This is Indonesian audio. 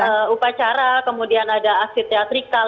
jadi setelah tadi upacara kemudian ada akses teatrikal